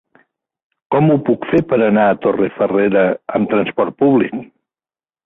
Com ho puc fer per anar a Torrefarrera amb trasport públic?